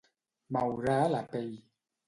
Maurar la pell.